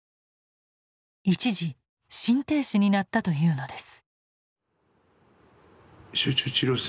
一時心停止になったというのです。